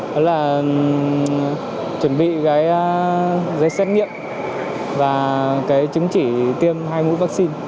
đó là chuẩn bị giấy xét nghiệm và chứng chỉ tiêm hai mũi vaccine